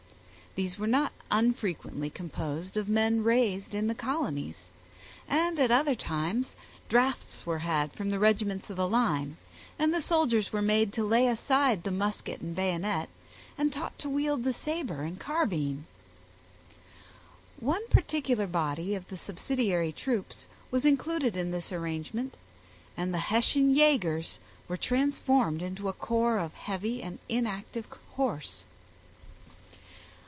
These were not unfrequently composed of men raised in the colonies, and at other times drafts were had from the regiments of the line, and the soldiers were made to lay aside the musket and bayonet, and taught to wield the saber and carbine. One particular body of the subsidiary troops was included in this arrange ment, and the Hessian yagers were transformed into a corps of heavy and inactive horse.